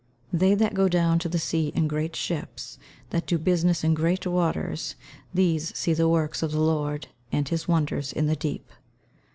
[Verse: "They that go down to the sea in great ships, that do business in great waters these see the works of the Lord, and his wonders in the deep."